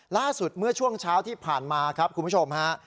ล่าสุดเมื่อช่วงเช้าที่ผ่านมาครับคุณผู้ชมฮะ